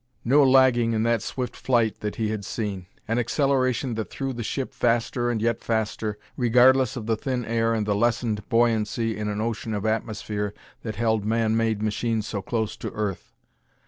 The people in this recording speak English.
No lagging in that swift flight that he had seen; an acceleration that threw the ship faster and yet faster, regardless of the thin air and the lessened buoyancy in an ocean of atmosphere that held man made machines so close to Earth.